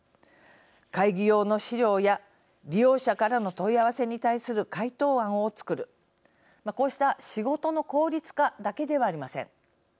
会議用の資料や利用者からの問い合わせに対する回答案を作るこうした仕事の効率化だけではありません。